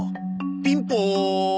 ピンポーン！